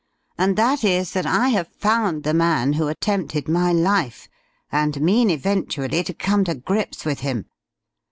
And that is, that I have found the man who attempted my life, and mean eventually to come to grips with him.